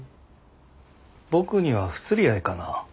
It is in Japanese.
僕には不釣り合いかな？